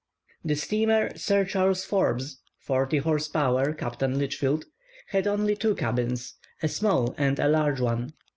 The steamer "Sir Charles Forbes" (forty horse power, Captain Lichfield) had only two cabins, a small and a large one.